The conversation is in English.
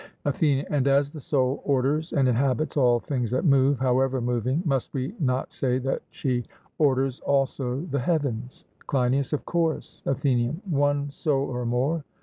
ATHENIAN: And as the soul orders and inhabits all things that move, however moving, must we not say that she orders also the heavens? CLEINIAS: Of course. ATHENIAN: One soul or more?